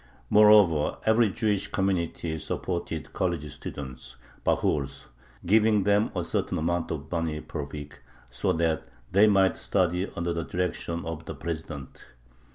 Moreover, every Jewish community supported college students (bahurs), giving them a certain amount of money per week, so that they might study under the direction of the president.